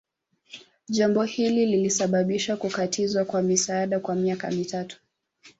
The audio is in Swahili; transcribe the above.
Jambo hili lilisababisha kukatizwa kwa misaada kwa miaka mitatu